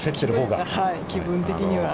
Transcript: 気分的には。